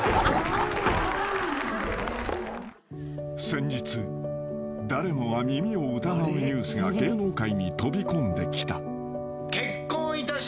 ［先日誰もが耳を疑うニュースが芸能界に飛び込んできた］